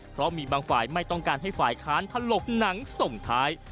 เพราะมีบางฝ่ายไม่ต้องการให้ฝ่ายค้านถลกหนังส่งท้าย